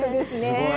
すごい。